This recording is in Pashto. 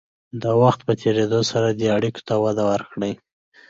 د وخت په تېرېدو سره دې اړیکو ته وده ورکړئ.